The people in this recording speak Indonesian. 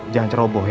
jangan ceroboh ya